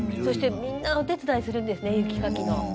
そしてみんなお手伝いするんですね雪かきの。